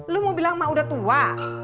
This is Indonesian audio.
lu mau bilang mah udah tua